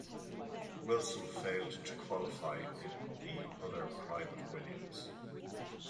Wilson failed to qualify in the other private Williams.